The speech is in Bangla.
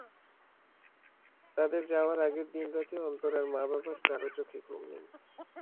তাদের যাওয়ার আগের দিন রাতে অন্তরার মা-বাবার কারও চোখে ঘুম নেই।